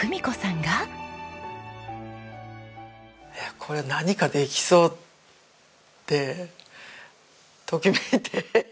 「これ何かできそう」ってときめいて。